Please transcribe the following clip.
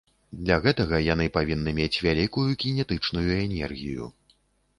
Для гэтага яны павінны мець вялікую кінетычную энергію.